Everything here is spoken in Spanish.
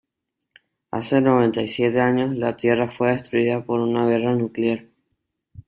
Hace noventa y siete años, la Tierra fue destruida por una guerra nuclear.